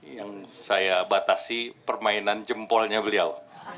yang saya batasi permainan jempolnya beliau